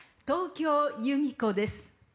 東京ゆみ子です。